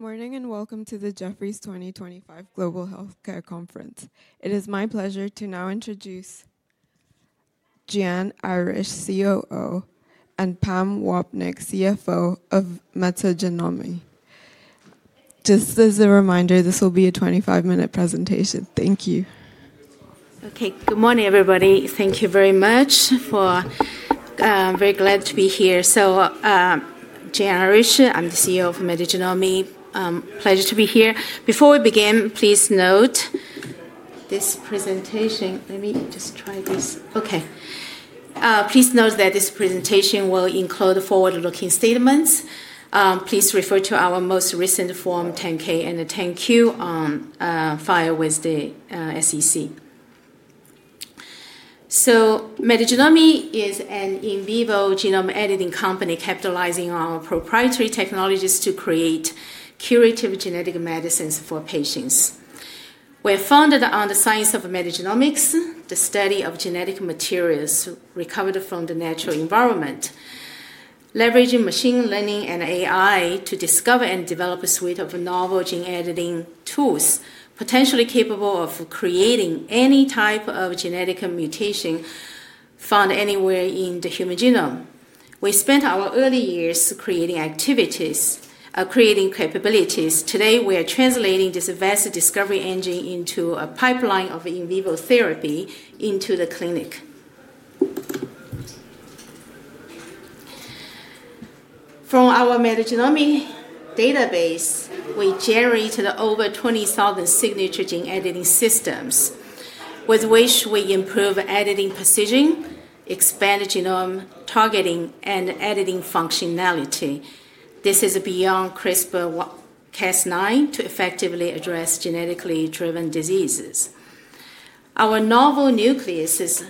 Morning and welcome to the Jefferies 2025 Global Healthcare Conference. It is my pleasure to now introduce Jian Irish, CEO, and Pam Wapnick, CFO of Metagenomi. Just as a reminder, this will be a 25-minute presentation. Thank you. Okay, good morning, everybody. Thank you very much for—very glad to be here. Jian Irish, I'm the CEO of Metagenomi. Pleasure to be here. Before we begin, please note this presentation—let me just try this. Okay. Please note that this presentation will include forward-looking statements. Please refer to our most recent Form 10-K and 10-Q on file with the SEC. Metagenomi is an in vivo genome editing company capitalizing on proprietary technologies to create curative genetic medicines for patients. We're founded on the science of metagenomics, the study of genetic materials recovered from the natural environment, leveraging machine learning and AI to discover and develop a suite of novel gene editing tools potentially capable of creating any type of genetic mutation found anywhere in the human genome. We spent our early years creating activities, creating capabilities. Today, we are translating this vast discovery engine into a pipeline of in vivo therapy into the clinic. From our Metagenomi database, we generated over 20,000 signature gene editing systems, with which we improve editing precision, expanded genome targeting, and editing functionality. This is beyond CRISPR-Cas9 to effectively address genetically driven diseases. Our novel nuclease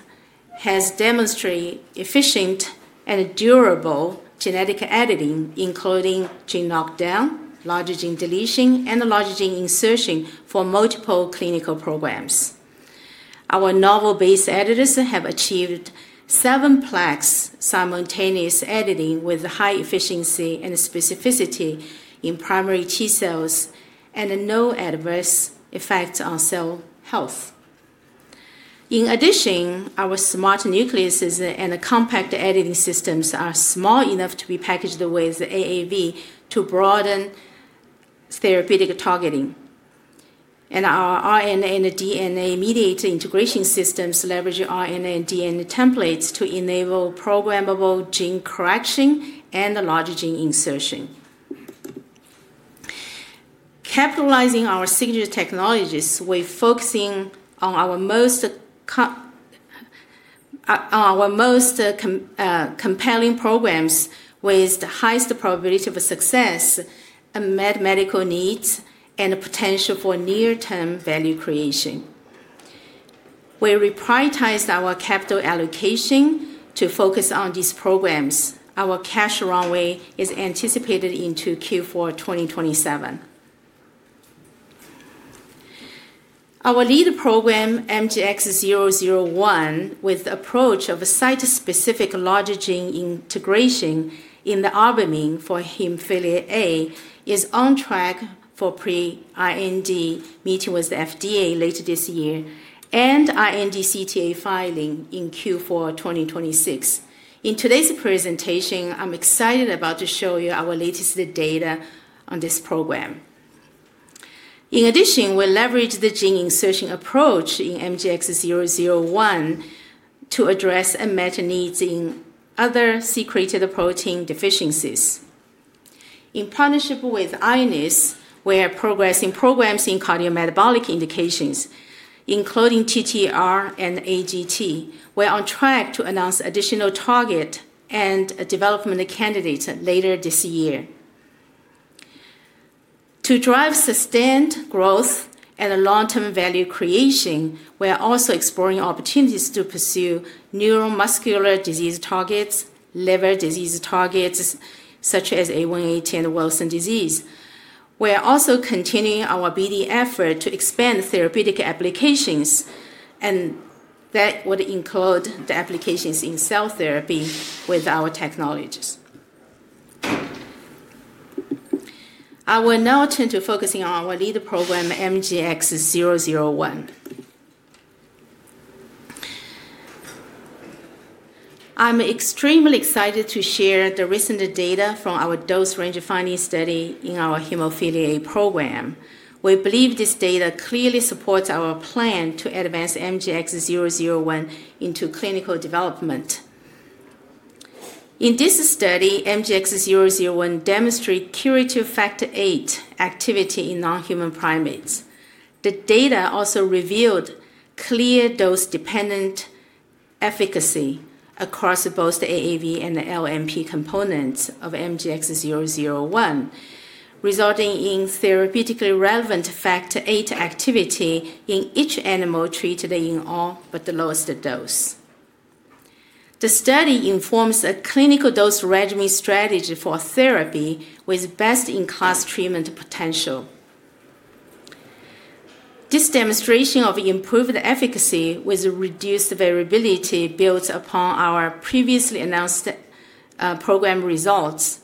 has demonstrated efficient and durable genetic editing, including gene knockdown, exon deletion, and exon insertion for multiple clinical programs. Our novel base editors have achieved seven-plex simultaneous editing with high efficiency and specificity in primary T cells and no adverse effects on cell health. In addition, our smart nuclease and compact editing systems are small enough to be packaged with AAV to broaden therapeutic targeting. Our RNA and DNA mediated integration systems leverage RNA and DNA templates to enable programmable gene correction and exon insertion. Capitalizing our signature technologies, we're focusing on our most compelling programs with the highest probability of success, met medical needs, and potential for near-term value creation. We're prioritizing our capital allocation to focus on these programs. Our cash runway is anticipated into Q4 2027. Our lead program, MGX-001, with the approach of site-specific gene integration in the albumin for hemophilia A, is on track for pre-IND meeting with the FDA later this year and IND CTA filing in Q4 2026. In today's presentation, I'm excited to show you our latest data on this program. In addition, we leverage the gene insertion approach in MGX-001 to address unmet needs in other secreted protein deficiencies. In partnership with Ionis, we are progressing programs in cardiometabolic indications, including TTR and AGT. We're on track to announce additional targets and development candidates later this year. To drive sustained growth and long-term value creation, we are also exploring opportunities to pursue neuromuscular disease targets, liver disease targets such as A180 and Wilson disease. We are also continuing our BD effort to expand therapeutic applications, and that would include the applications in cell therapy with our technologies. I will now turn to focusing on our lead program, MGX-001. I'm extremely excited to share the recent data from our dose range finding study in our hemophilia program. We believe this data clearly supports our plan to advance MGX-001 into clinical development. In this study, MGX-001 demonstrated curative factor VIII activity in non-human primates. The data also revealed clear dose-dependent efficacy across both the AAV and the LMP components of MGX-001, resulting in therapeutically relevant factor VIII activity in each animal treated in all but the lowest dose. The study informs a clinical dose regimen strategy for therapy with best-in-class treatment potential. This demonstration of improved efficacy with reduced variability builds upon our previously announced program results.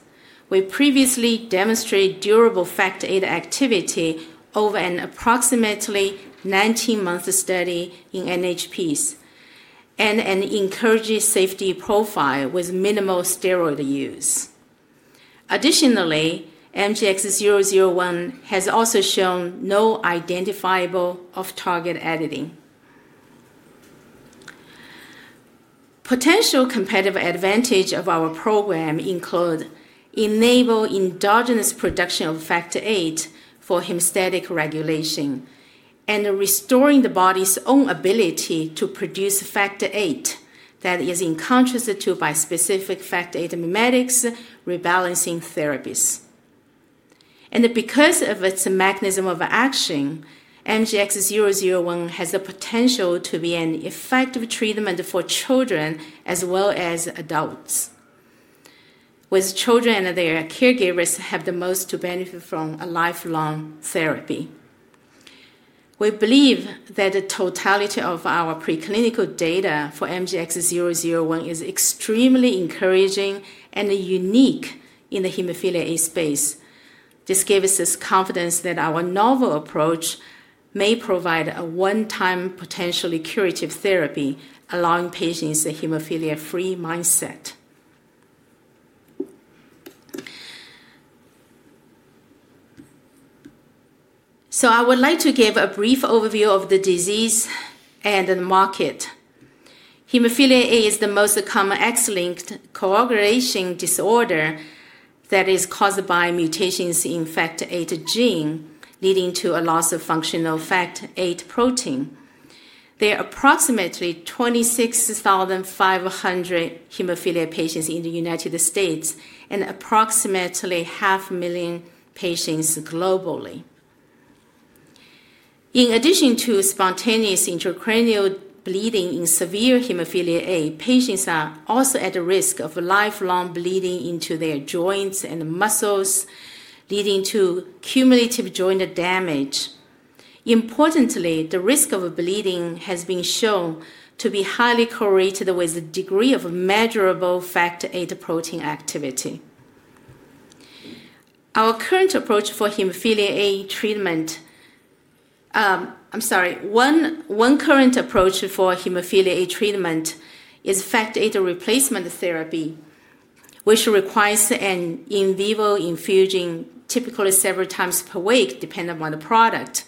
We previously demonstrated durable factor VIII activity over an approximately 19-month study in NHPs and an encouraged safety profile with minimal steroid use. Additionally, MGX-001 has also shown no identifiable off-target editing. Potential competitive advantages of our program include enabling endogenous production of factor VIII for hemostatic regulation and restoring the body's own ability to produce factor VIII that is in contrast to bispecific factor VIII mimetics rebalancing therapies. Because of its mechanism of action, MGX-001 has the potential to be an effective treatment for children as well as adults, with children and their caregivers having the most benefit from a lifelong therapy. We believe that the totality of our preclinical data for MGX-001 is extremely encouraging and unique in the hemophilia space. This gives us confidence that our novel approach may provide a one-time potentially curative therapy, allowing patients a hemophilia-free mindset. I would like to give a brief overview of the disease and the market. Hemophilia A is the most common X-linked coagulation disorder that is caused by mutations in the factor VIII gene, leading to a loss of functional factor VIII protein. There are approximately 26,500 hemophilia patients in the United States and approximately 500,000 patients globally. In addition to spontaneous intracranial bleeding in severe hemophilia A, patients are also at risk of lifelong bleeding into their joints and muscles, leading to cumulative joint damage. Importantly, the risk of bleeding has been shown to be highly correlated with a degree of measurable factor VIII protein activity. One current approach for hemophilia A treatment is factor VIII replacement therapy, which requires an in vivo infusion typically several times per week, depending on the product.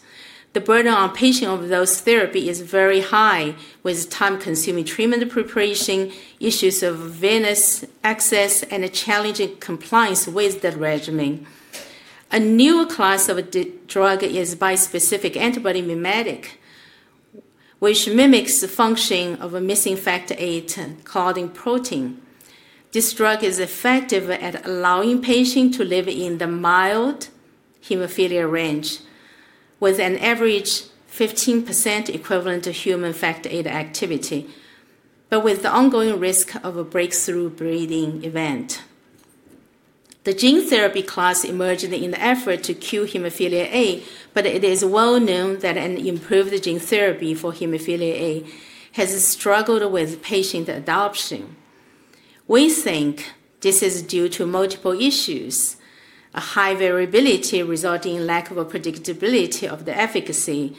The burden on patients of those therapies is very high, with time-consuming treatment preparation, issues of venous access, and challenging compliance with the regimen. A new class of drug is bispecific antibody mimetic, which mimics the function of a missing factor VIII clotting protein. This drug is effective at allowing patients to live in the mild hemophilia range, with an average 15% equivalent to human factor VIII activity, but with the ongoing risk of a breakthrough bleeding event. The gene therapy class emerged in the effort to cure hemophilia A, but it is well known that an improved gene therapy for hemophilia A has struggled with patient adoption. We think this is due to multiple issues: a high variability resulting in lack of predictability of the efficacy,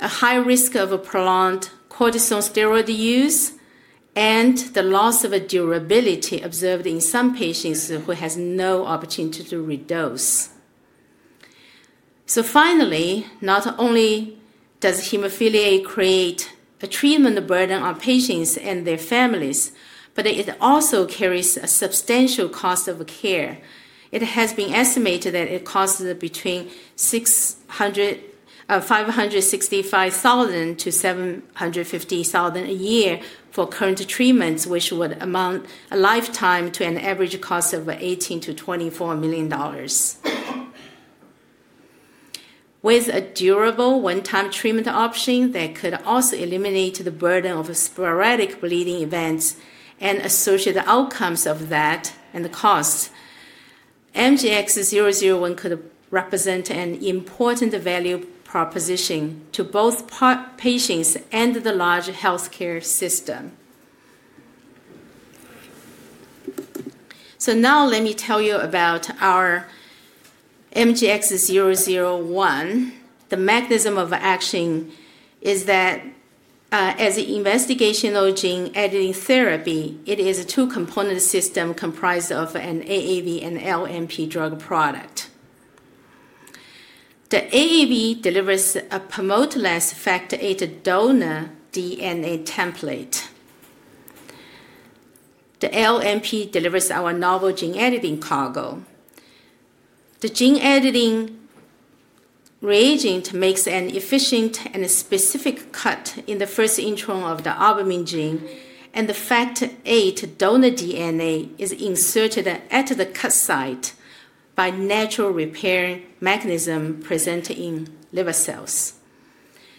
a high risk of prolonged cortisone steroid use, and the loss of durability observed in some patients who have no opportunity to redose. Finally, not only does hemophilia A create a treatment burden on patients and their families, but it also carries a substantial cost of care. It has been estimated that it costs between $565,000-$750,000 a year for current treatments, which would amount over a lifetime to an average cost of $18 million-$24 million. With a durable one-time treatment option that could also eliminate the burden of sporadic bleeding events and associated outcomes of that and the cost, MGX-001 could represent an important value proposition to both patients and the large healthcare system. Now let me tell you about our MGX-001. The mechanism of action is that, as an investigational gene editing therapy, it is a two-component system comprised of an AAV and LMP drug product. The AAV delivers a promoteless factor VIII donor DNA template. The LMP delivers our novel gene editing cargo. The gene editing reagent makes an efficient and specific cut in the first intron of the albumin gene, and the factor VIII donor DNA is inserted at the cut site by natural repair mechanism present in liver cells.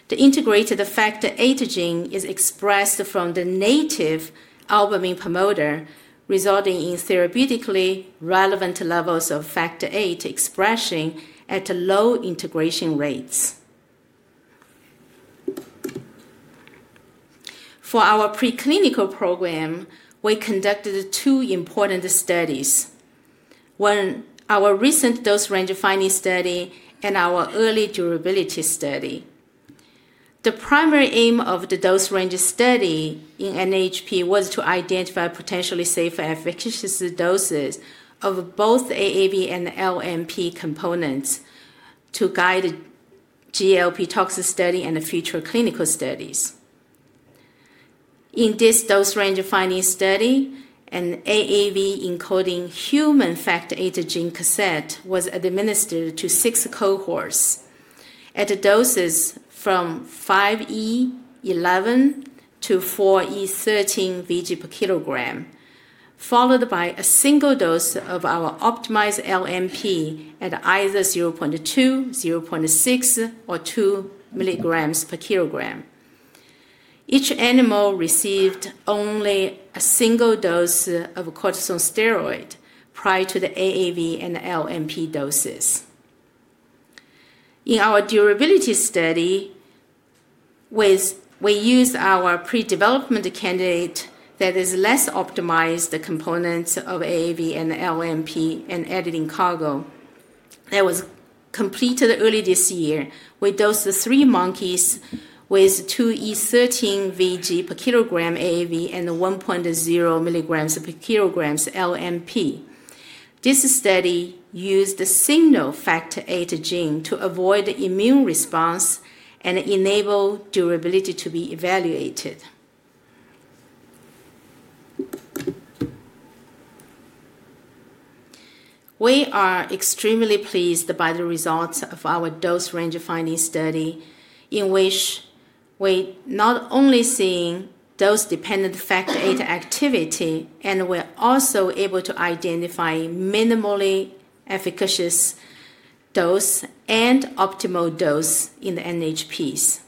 The integrated factor VIII gene is expressed from the native albumin promoter, resulting in therapeutically relevant levels of factor VIII expression at low integration rates. For our preclinical program, we conducted two important studies: one, our recent dose range finding study, and our early durability study. The primary aim of the dose range study in NHP was to identify potentially safe efficacious doses of both AAV and LMP components to guide GLP toxic study and future clinical studies. In this dose range finding study, an AAV encoding human factor VIII gene cassette was administered to six cohorts at doses from 5E11 to 4E13 VG per kilogram, followed by a single dose of our optimized LMP at either 0.2 mg, 0.6 mg, or 2 mg per kilogram. Each animal received only a single dose of cortisone steroid prior to the AAV and LMP doses. In our durability study, we used our pre-development candidate that is less optimized components of AAV and LMP and editing cargo that was completed early this year. We dosed three monkeys with 2E13 VG per kilogram AAV and 1.0 mg per kilogram LMP. This study used the signal factor VIII gene to avoid immune response and enable durability to be evaluated. We are extremely pleased by the results of our dose range finding study, in which we not only see dose-dependent factor VIII activity, and we're also able to identify minimally efficacious dose and optimal dose in the NHPs.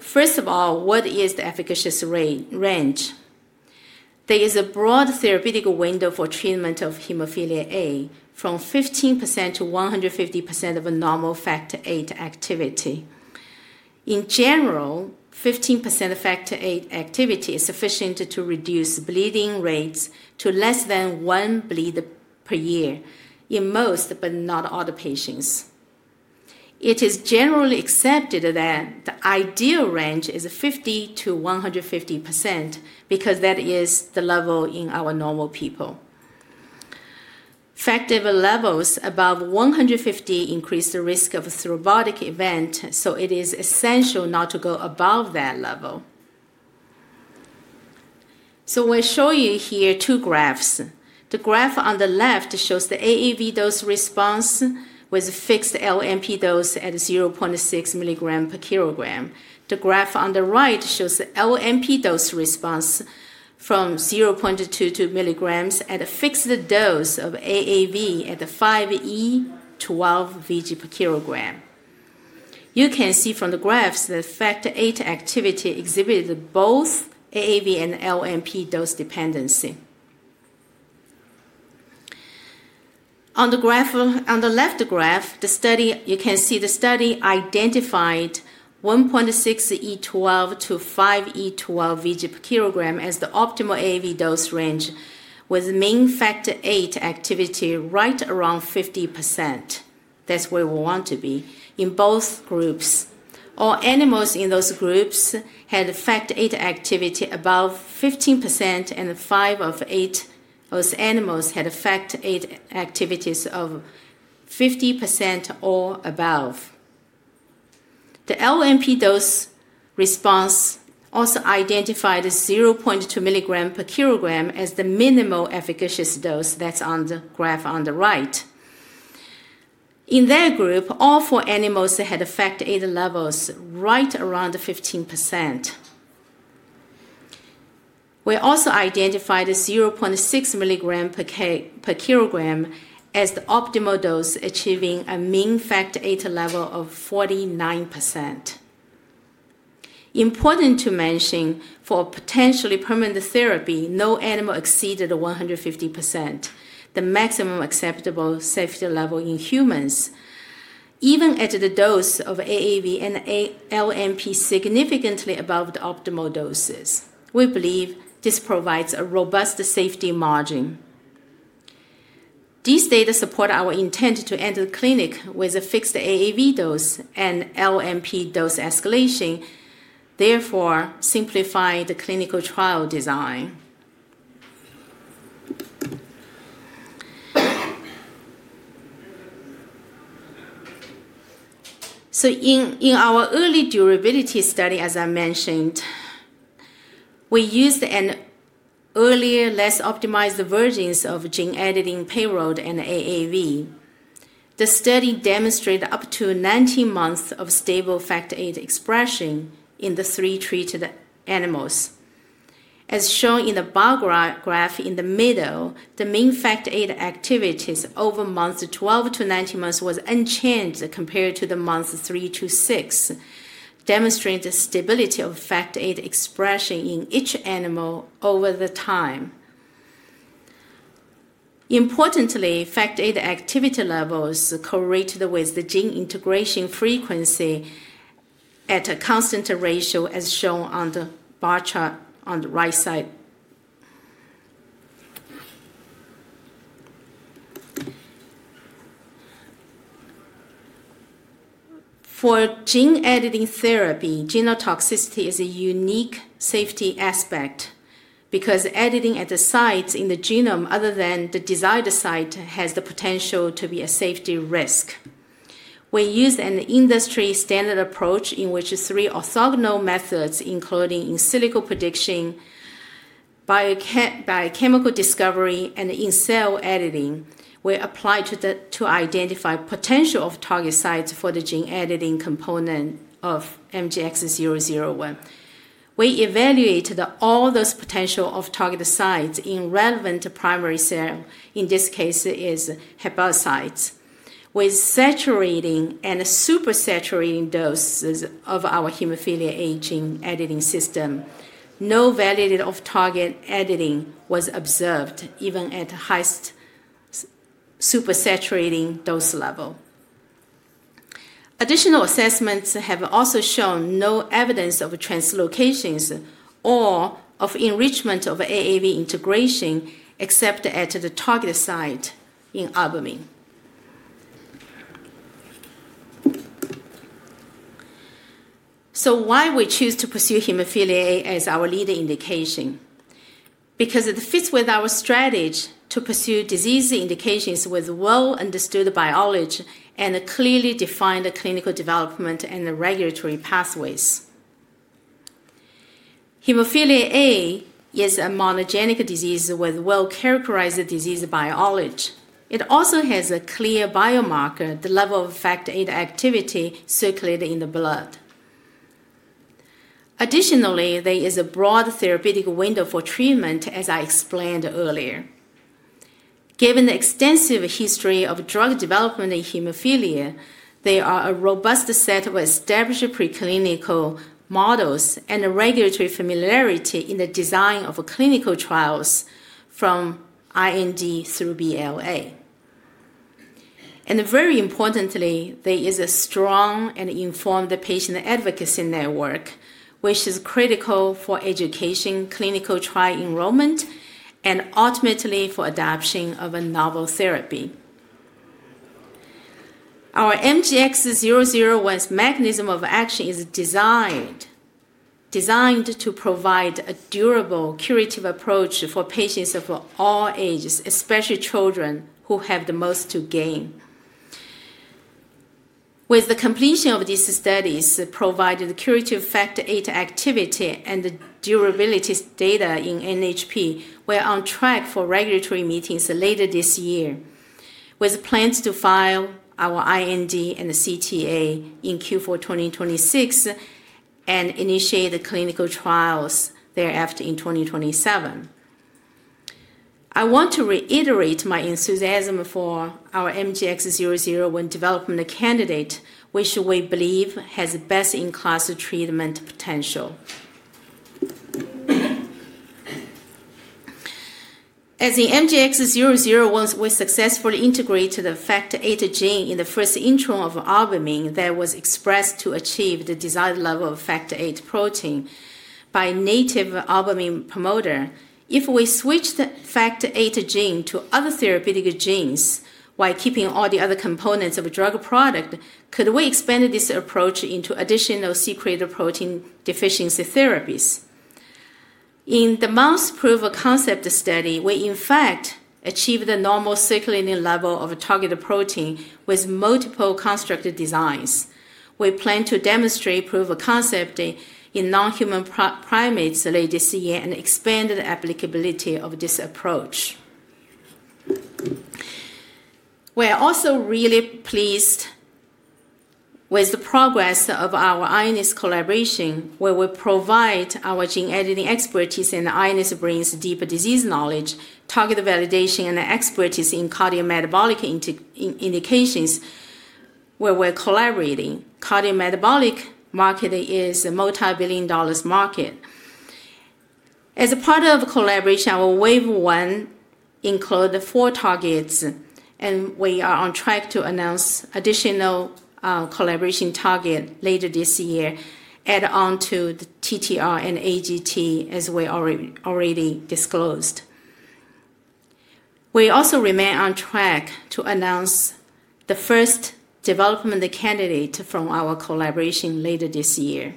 First of all, what is the efficacious range? There is a broad therapeutic window for treatment of hemophilia A, from 15%-150% of normal factor VIII activity. In general, 15% factor VIII activity is sufficient to reduce bleeding rates to less than one bleed per year in most, but not all the patients. It is generally accepted that the ideal range is 50%-150% because that is the level in our normal people. Factor VIII levels above 150% increase the risk of thrombotic event, so it is essential not to go above that level. We will show you here two graphs. The graph on the left shows the AAV dose response with fixed LMP dose at 0.6 mg per kilogram. The graph on the right shows the LMP dose response from 0.2 mg to 2 mg at a fixed dose of AAV at 5E12 VG per kilogram. You can see from the graphs that factor VIII activity exhibited both AAV and LMP dose dependency. On the graph on the left, you can see the study identified 1.6E12-5E12 VG per kilogram as the optimal AAV dose range with main factor VIII activity right around 50%. That is where we want to be in both groups. All animals in those groups had factor VIII activity above 15%, and five of eight of those animals had factor VIII activities of 50% or above. The LMP dose response also identified 0.2 mg per kilogram as the minimal efficacious dose that's on the graph on the right. In that group, all four animals had factor VIII levels right around 15%. We also identified 0.6 mg per kilogram as the optimal dose, achieving a mean factor VIII level of 49%. Important to mention, for potentially permanent therapy, no animal exceeded 150%, the maximum acceptable safety level in humans, even at the dose of AAV and LMP significantly above the optimal doses. We believe this provides a robust safety margin. These data support our intent to enter the clinic with a fixed AAV dose and LMP dose escalation, therefore simplifying the clinical trial design. In our early durability study, as I mentioned, we used an earlier, less optimized version of gene editing payload and AAV. The study demonstrated up to 19 months of stable factor VIII expression in the three treated animals. As shown in the bar graph in the middle, the mean factor VIII activities over months 12-19 were unchanged compared to months three to six, demonstrating the stability of factor VIII expression in each animal over the time. Importantly, factor VIII activity levels correlated with the gene integration frequency at a constant ratio, as shown on the bar chart on the right side. For gene editing therapy, genotoxicity is a unique safety aspect because editing at the sites in the genome, other than the desired site, has the potential to be a safety risk. We used an industry-standard approach in which three orthogonal methods, including in silico prediction, biochemical discovery, and in cell editing, were applied to identify potential target sites for the gene editing component of MGX-001. We evaluated all those potential target sites in relevant primary cell; in this case, it is hepatocytes. With saturating and supersaturating doses of our hemophilia A gene editing system, no validated target editing was observed, even at the highest supersaturating dose level. Additional assessments have also shown no evidence of translocations or of enrichment of AAV integration, except at the target site in albumin. Why do we choose to pursue hemophilia A as our lead indication? Because it fits with our strategy to pursue disease indications with well-understood biology and clearly defined clinical development and regulatory pathways. Hemophilia A is a monogenic disease with well-characterized disease biology. It also has a clear biomarker, the level of factor VIII activity circulating in the blood. Additionally, there is a broad therapeutic window for treatment, as I explained earlier. Given the extensive history of drug development in hemophilia, there is a robust set of established preclinical models and regulatory familiarity in the design of clinical trials from IND through BLA. Very importantly, there is a strong and informed patient advocacy network, which is critical for education, clinical trial enrollment, and ultimately for adoption of a novel therapy. Our MGX-001's mechanism of action is designed to provide a durable, curative approach for patients of all ages, especially children, who have the most to gain. With the completion of these studies, provided the curative factor VIII activity and the durability data in NHP, we're on track for regulatory meetings later this year, with plans to file our IND and CTA in Q4 2026 and initiate the clinical trials thereafter in 2027. I want to reiterate my enthusiasm for our MGX-001 development candidate, which we believe has best-in-class treatment potential. As the MGX-001, we successfully integrated the factor VIII gene in the first intron of albumin that was expressed to achieve the desired level of factor VIII protein by native albumin promoter. If we switch the factor VIII gene to other therapeutic genes while keeping all the other components of a drug product, could we expand this approach into additional secreted protein deficiency therapies? In the mouse proof of concept study, we, in fact, achieved the normal circulating level of targeted protein with multiple constructed designs. We plan to demonstrate proof of concept in non-human primates later this year and expand the applicability of this approach. We're also really pleased with the progress of our Ionis collaboration, where we provide our gene editing expertise and Ionis' deep disease knowledge, target validation, and expertise in cardiometabolic indications, where we're collaborating. Cardiometabolic market is a multi-billion dollar market. As a part of collaboration, our wave one includes four targets, and we are on track to announce additional collaboration targets later this year, add on to the TTR and AGT, as we already disclosed. We also remain on track to announce the first development candidate from our collaboration later this year.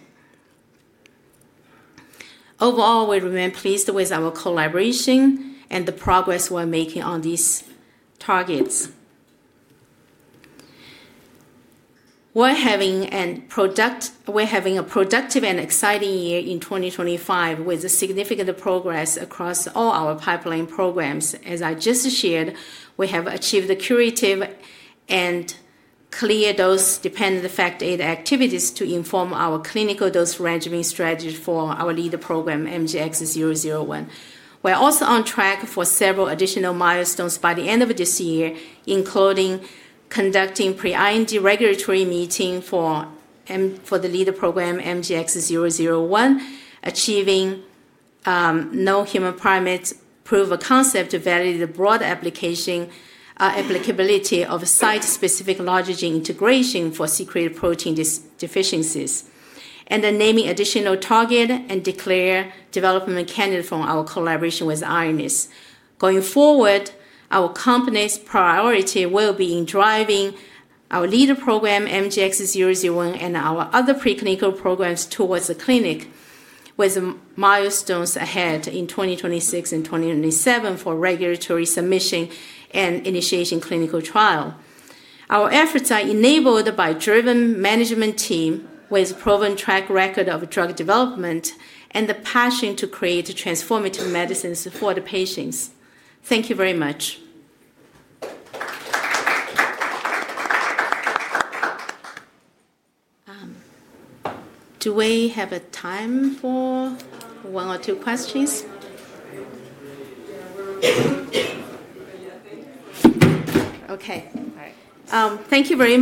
Overall, we remain pleased with our collaboration and the progress we're making on these targets. We're having a productive and exciting year in 2025 with significant progress across all our pipeline programs. As I just shared, we have achieved the curative and clear dose-dependent factor VIII activities to inform our clinical dose regimen strategy for our lead program, MGX-001. We are also on track for several additional milestones by the end of this year, including conducting pre-IND regulatory meeting for the lead program, MGX-001, achieving non-human primate proof of concept to validate the broad applicability of site-specific larger gene integration for secreted protein deficiencies, and then naming additional target and declare development candidate from our collaboration with Ionis. Going forward, our company's priority will be in driving our lead program, MGX-001, and our other preclinical programs towards the clinic, with milestones ahead in 2026 and 2027 for regulatory submission and initiation clinical trial. Our efforts are enabled by a driven management team with a proven track record of drug development and the passion to create transformative medicines for the patients. Thank you very much. Do we have time for one or two questions? Okay. Thank you very much.